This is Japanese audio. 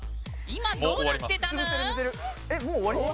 今どうなってたぬー？